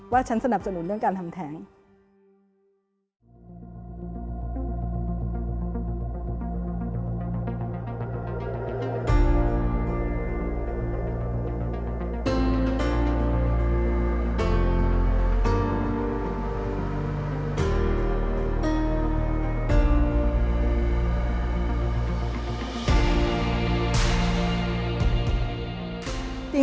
ฉันสนับสนุนเรื่องการทำแท้ง